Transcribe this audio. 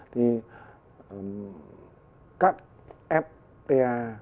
thì các fta